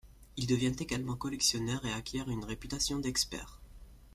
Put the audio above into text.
Il devient également collectionneur et acquiert une réputation d'expert.